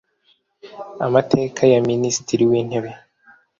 Amateka ya Minisitiri w Intebe